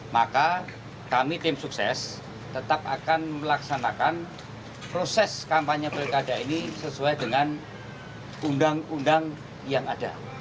maka kami tim sukses tetap akan melaksanakan proses kampanye pilkada ini sesuai dengan undang undang yang ada